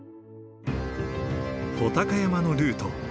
武尊山のルート。